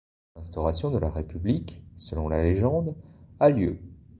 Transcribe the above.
L'instauration de la République, selon la légende, a lieu.